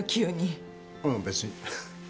ううん別に。